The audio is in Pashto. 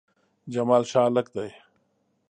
جمال ښه هلک ده